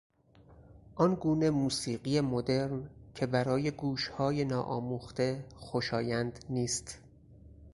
آن گونه موسیقی مدرن که برای گوشهای نا آموخته خوشایند نیست